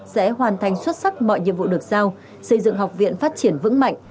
sẽ hoàn thành xuất sắc mọi nhiệm vụ được giao xây dựng học viện phát triển vững mạnh